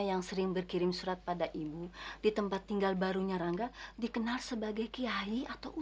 yang sering berkirim surat pada ibu di tempat tinggal barunya rangga dikenal sebagai kiai atau